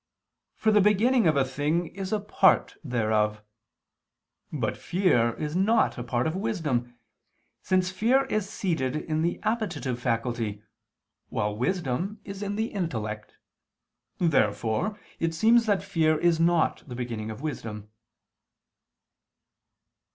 For the beginning of a thing is a part thereof. But fear is not a part of wisdom, since fear is seated in the appetitive faculty, while wisdom is in the intellect. Therefore it seems that fear is not the beginning of wisdom.